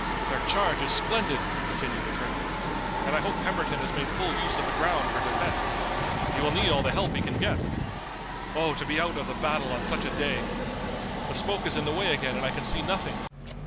"Their charge is splendid," continued the colonel, "and I hope Pemberton has made full use of the ground for defense! He will need all the help he can get! Oh, to be out of the battle on such a day! The smoke is in the way again and I can see nothing.